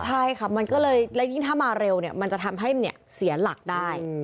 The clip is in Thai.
ใช่ค่ะและอันนี้ถ้ามาเร็วมันจะทำให้เสียหลักได้